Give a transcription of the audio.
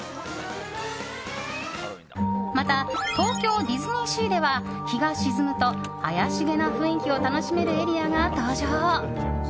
また、東京ディズニーシーでは日が沈むと妖しげな雰囲気を楽しめるエリアが登場！